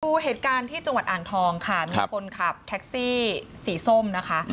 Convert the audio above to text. ดูเหตุการณ์ที่จังหวัดอ่างทองค่ะมีคนขับแท็กซี่สีส้มนะคะ